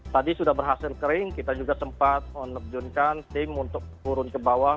tadi sudah berhasil kering kita juga sempat menerjunkan tim untuk turun ke bawah